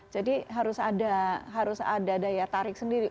jadi harus ada daya tarik sendiri